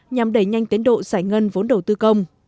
nhằm đẩy nhanh tiến độ giải ngân vốn đầu tư công